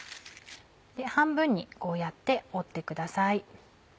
半分にこうやって折ってください。